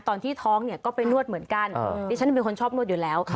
ตอนที่ท้องเนี่ยก็ไปนวดเหมือนกันดิฉันเป็นคนชอบนวดอยู่แล้ว